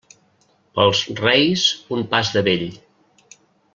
Pels Reis, un pas de vell.